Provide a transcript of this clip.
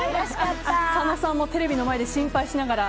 佐野さんもテレビの前で心配しながら